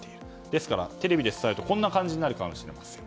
ですから、テレビで伝えるとこんな感じになるかもしれません。